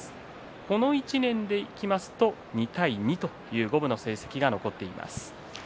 この１年でいきますと２対２という五分の成績が残っています。